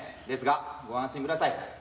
ですがご安心ください。